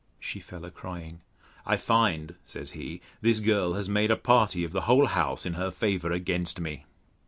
She fell a crying. I find, says he, this girl has made a party of the whole house in her favour against me.